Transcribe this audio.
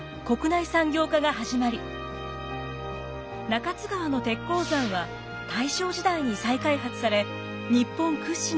中津川の鉄鉱山は大正時代に再開発され日本屈指の鉱山となりました。